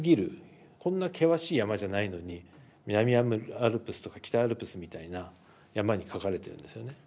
こんな険しい山じゃないのに南アルプスとか北アルプスみたいな山にかかれてるんですよね。